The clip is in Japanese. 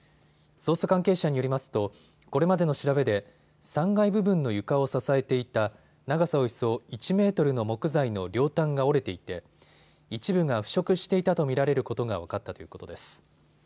捜査関係者によりますとこれまでの調べで３階部分の床を支えていた長さおよそ１メートルの木材の両端が折れていて一部が腐食していたと見られることが分かったということです。